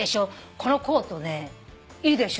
このコートねいいでしょ。